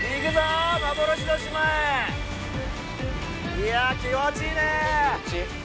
いや気持ちいいね。